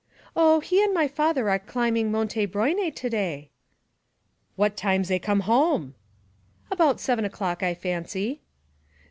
'Oh, he and my father are climbing Monte Brione to day.' 'What time zay come home?' 'About seven o'clock, I fancy.